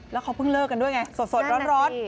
แล้วเขาเพิ่งเลิกกันด้วยไงสดร้อน